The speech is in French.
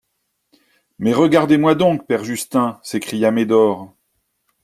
Mais regardez-moi donc, père Justin ! s'écria Médor.